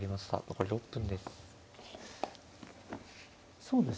残り６分です。